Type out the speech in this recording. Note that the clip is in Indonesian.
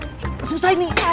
pesan kesusah ini